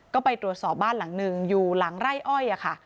ก็ไปตรวจสอบบ้านหลังหนึ่งอยู่หลังไร่อ้อยค่ะ